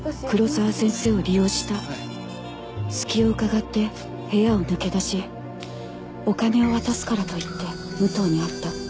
隙をうかがって部屋を抜け出しお金を渡すからと言って武藤に会った。